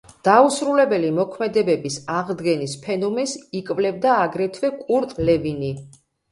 დაუსრულებელი მოქმედებების აღდგენის ფენომენს იკვლევდა აგრეთვე კურტ ლევინი.